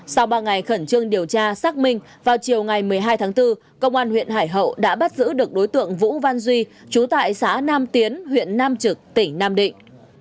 sau ba ngày khẩn trương điều tra xác minh vào chiều ngày một mươi hai tháng bốn công an huyện hải hậu đã bắt giữ được đối tượng vũ văn duy trú tại xã nam tiến huyện nam trực tỉnh nam định